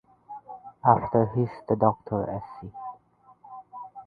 After his to Doctor sc.